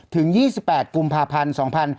ถึง๒๘กุมภาพันธ์๒๕๕๙